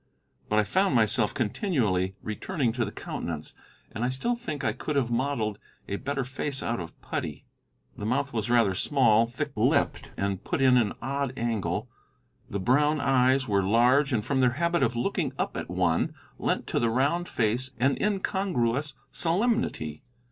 But I found myself continually returning to the countenance, and I still think I could have modelled a better face out of putty. The mouth was rather small, thick tipped, and put in at an odd angle; the brown eyes were large, and from their habit of looking up at one lent to the round face an incongruous solemnity.